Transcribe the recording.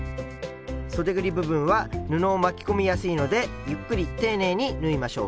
そでぐり部分は布を巻き込みやすいのでゆっくり丁寧に縫いましょう。